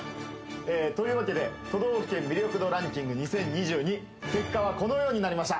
というわけで都道府県魅力度ランキング２０２２結果はこのようになりました。